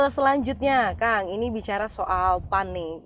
selanjutnya kang ini bicara soal pan nih